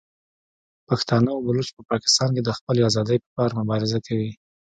پښتانه او بلوڅ په پاکستان کې د خپلې ازادۍ په پار مبارزه کوي.